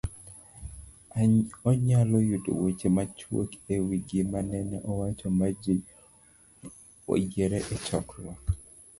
Onyalo yudo weche machuok e wi gima nene owach ma ji oyiere e chokruok